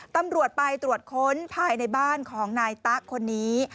ตำรวจไปตรวจค้นภายในบ้านของนายตะคนนี้